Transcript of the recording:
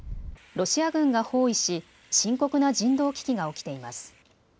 ロシア軍が包囲し深刻な人道危機が起きています。